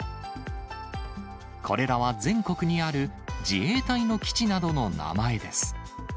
これらは全国にある自衛隊の基地などの名前です。